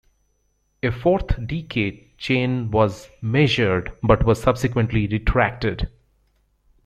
A fourth decay chain was measured but was subsequently retracted.